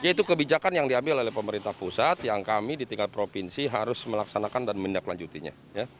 yaitu kebijakan yang diambil oleh pemerintah pusat yang kami di tingkat provinsi harus melaksanakan dan menindaklanjutinya